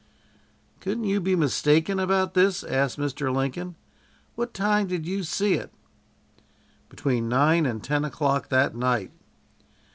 "Couldn't you be mistaken about this?" asked Mr. Lincoln. "What time did you see it?" "Between nine and ten o'clock that night."